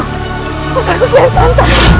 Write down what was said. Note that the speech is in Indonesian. putraku putraku kian santang